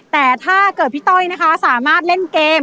แต่ถ้าเกิดพี่ต้อยนะคะสามารถเล่นเกม